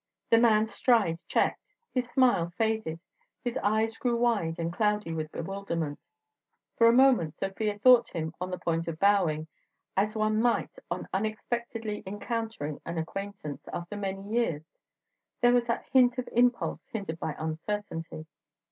The man's stride checked, his smile faded, his eyes grew wide and cloudy with bewilderment. For a moment Sofia thought him on the point of bowing, as one might on unexpectedly encountering an acquaintance after many years: there was that hint of impulse hindered by uncertainty.